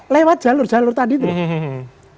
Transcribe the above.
lewat jalur jalur tadi tuh